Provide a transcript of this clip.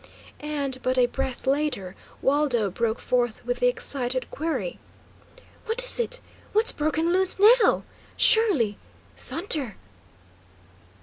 And but a breath later Waldo broke forth with the excited query: "What is it? What's broken loose now? Surely thunder?"